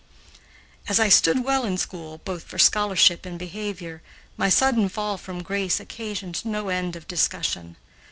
As I stood well in school, both for scholarship and behavior, my sudden fall from grace occasioned no end of discussion.